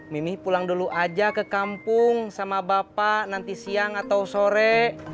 mimi pulang dulu aja ke kampung sama bapak nanti siang atau sore